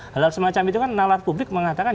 hal hal semacam itu kan nalar publik mengatakan